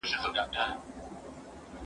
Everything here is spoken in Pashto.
هغه څوک چي زدکړه کوي پوهه زياتوي!